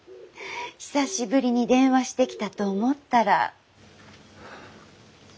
久しぶりに電話してきたと思ったら。